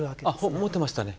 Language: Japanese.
本持ってましたね。